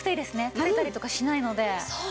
たれたりとかしないので。